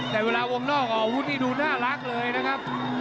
แต่เวลาวงนอกออกอาวุธนี่ดูน่ารักเลยนะครับ